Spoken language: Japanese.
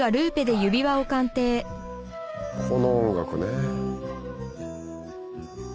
この音楽ね。